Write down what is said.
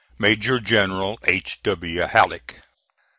"MAJOR GENERAL H. W. HALLECK."